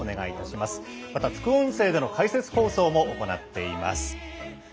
また副音声での解説放送も行っています。